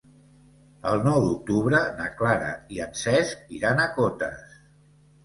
El nou d'octubre na Clara i en Cesc iran a Cotes.